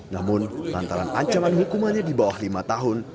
namun lantaran ancaman hukumannya di bawah lima tahun